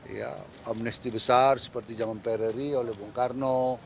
ya amnesti besar seperti zaman periri oleh bung karno